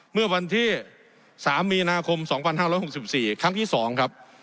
เมื่อวันที่สามมีนาคมสองพันห้าร้อยหกสิบสี่ครั้งที่สองครับ